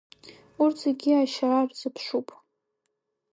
Урҭ зегьы ашьра рзыԥшуп.